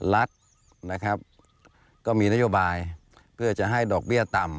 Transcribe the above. รัฐนะครับก็มีนโยบายเพื่อจะให้ดอกเบี้ยต่ำ